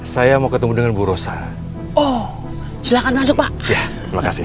saya mau ketemu dengan bu rosa oh silakan masuk pak ya terima kasih